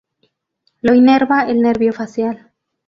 Lo inerva el nervio facial.